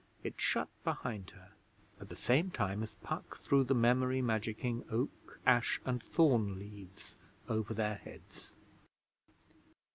It shut behind her, at the same time as Puck threw the memory magicking Oak, Ash and Thorn leaves over their heads.